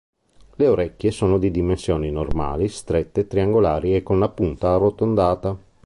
Le orecchie sono di dimensioni normali, strette, triangolari e con la punta arrotondata.